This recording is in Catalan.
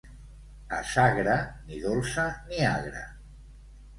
A Sagra, ni dolça ni agra.